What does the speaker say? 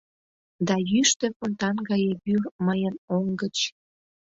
Да йӱштӧ фонтан гае вӱр мыйын оҥ гыч